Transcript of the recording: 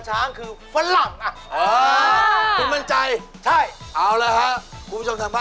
ต้นอยู่วิทยาศักดิ์บริโรคครับ